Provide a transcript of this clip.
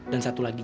dan satu lagi